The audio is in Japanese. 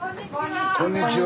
こんにちは。